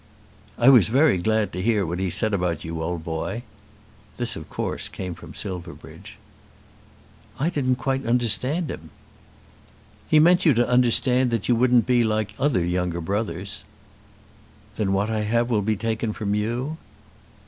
"I was very glad to hear what he said about you, old boy." This of course came from Silverbridge. "I didn't quite understand him." "He meant you to understand that you wouldn't be like other younger brothers." "Then what I have will be taken from you."